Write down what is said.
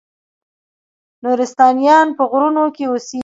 نورستانیان په غرونو کې اوسیږي؟